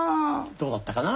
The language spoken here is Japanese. どうだったかな？